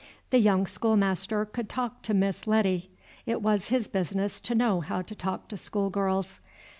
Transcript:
The young schoolmaster could talk to Miss Letty: it was his business to know how to talk to schoolgirls.